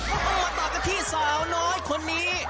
โอ้โหมาต่อกันที่สาวน้อยคนนี้